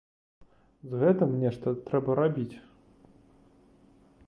З гэтым нешта трэба рабіць.